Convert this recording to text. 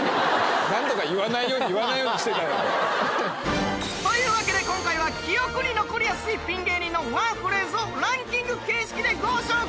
何とか言わないように言わないようにしてたのに。というわけで今回は記憶に残りやすいピン芸人のワンフレーズをランキング形式でご紹介。